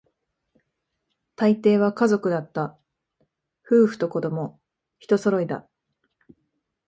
大抵は家族だった、夫婦と子供、一揃いだ